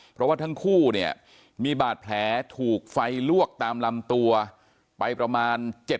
เพราะว่าทั้งคู่เนี่ยมีบาดแผลถูกไฟลวกตามลำตัวไปประมาณ